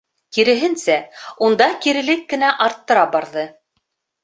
Киреһенсә, унда кирелек кенә арттыра барҙы.